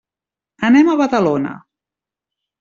Anem a Badalona.